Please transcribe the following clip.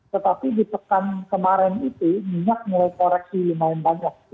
tetapi di pekan kemarin itu minyak mulai koreksi lumayan banyak